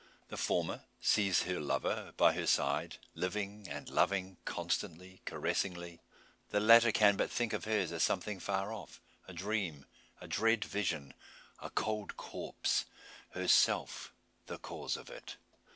The former sees her lover by her side living and loving, constantly, caressingly; the latter can but think of hers as something afar off a dream a dread vision a cold corpse herself the cause of it!